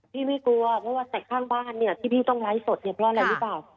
พี่ไม่กลัวเพราะว่าแต่ข้างบ้านเนี่ยที่พี่ต้องไลฟ์สดเนี่ยเพราะอะไรหรือเปล่า